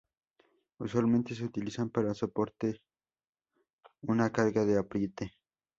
Usualmente se utilizan para soportar una carga de apriete.